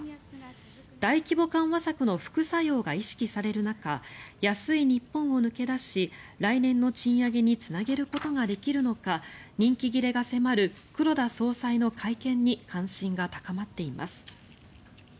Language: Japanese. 大規模緩和策の副作用が意識される中安い日本を抜け出し来年の賃上げにつなげることができるのか任期切れが迫る黒田総裁の会見に関心が高まっています。